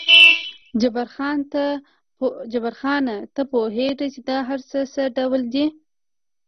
جبار خان، ته پوهېږې چې دا هر څه څه ډول دي؟